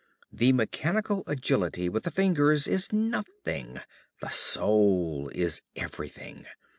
The mechanical agility with the fingers is nothing, the soul is everything.